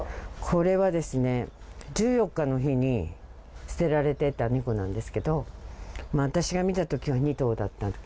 これは１４日の日に捨てられてた猫なんですけど、私が見たときは２頭だった。